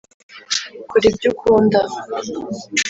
kora ibyo ukunda.